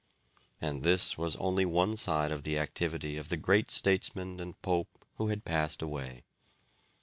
And this was only one side of the activity of the great statesman and pope who had passed away.